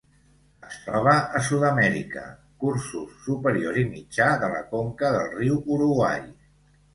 Es troba a Sud-amèrica: cursos superior i mitjà de la conca del riu Uruguai.